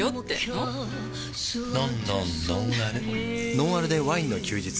「ノンアルでワインの休日」